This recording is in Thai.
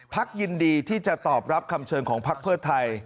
ภักดิ์ยินดีที่จะตอบรับคำเชิญของภักดิ์เพื่อไทย